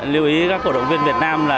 lưu ý các cổ động viên việt nam là